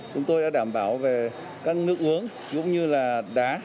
chúng tôi đã đảm bảo về các nước uống cũng như là đá